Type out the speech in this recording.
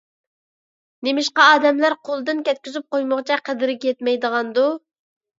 نېمىشقا ئادەملەر قولدىن كەتكۈزۈپ قويمىغۇچە قەدرىگە يەتمەيدىغاندۇ؟